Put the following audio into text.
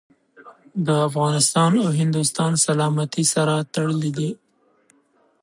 د افغانستان او هندوستان سلامتي سره تړلي دي.